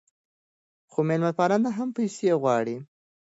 خو میلمه پالنه هم پیسې غواړي.